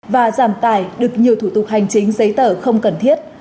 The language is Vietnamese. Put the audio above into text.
và giảm tài được nhiều thủ tục hành chính giấy tờ không cần thiết